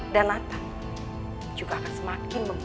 dan nathan juga akan semakin membenci kami